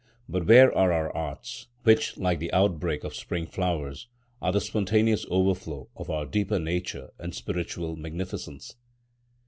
But where are our arts, which, like the outbreak of spring flowers, are the spontaneous overflow of our deeper nature and spiritual magnificence?